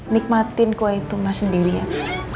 nikmatin kue itu mas sendirian